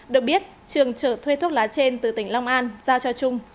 được biết trường trở thuê thuốc lá trên từ tỉnh long an giao cho trung